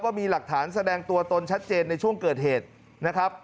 มีหลักฐานแสดงตัวตนชัดเจนในช่วงเกิดเหตุนะครับ